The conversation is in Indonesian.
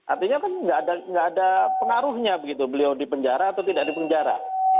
artinya kan nggak ada pengaruhnya begitu beliau di penjara atau tidak di penjara